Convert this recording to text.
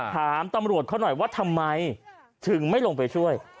ถามตำรวจเขาหน่อยว่าทำไมถึงไม่ลงไปช่วย